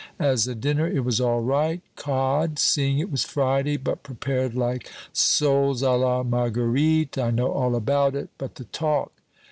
As a dinner it was all right cod, seeing it was Friday, but prepared like soles a la Marguerite I know all about it. But the talk!